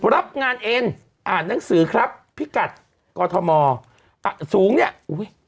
รับงานเอ็นอ่านหนังสือครับพิกัดกอทมสูงเนี่ยอุ้ย